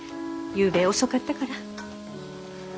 ゆうべ遅かったから。